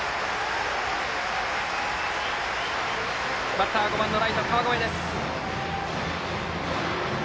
バッターは５番のライト、川越。